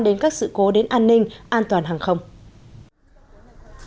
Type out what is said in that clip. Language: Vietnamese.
đến các sự cố đến an ninh an toàn hàng không